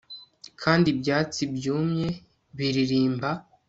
Kandi ibyatsi byumye biririmba